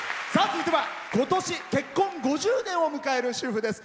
続いては、ことし結婚５０年を迎える主婦です。